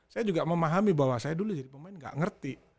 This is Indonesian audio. saya juga memahami bahwa saya dulu jadi pemain nggak ngerti